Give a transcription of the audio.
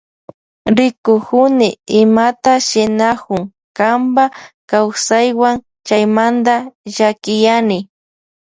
Rikukuni imata shinakunk kanpa kawsaywan chaymanta llakiyani.